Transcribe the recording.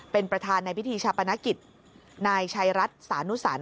เป็นประธานในพิธีชาปนกิจนายชัยรัฐสานุสัน